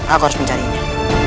aku harus mencarinya